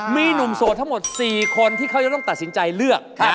มีหนุ่มโสดทั้งหมด๔คนที่เขาจะต้องตัดสินใจเลือก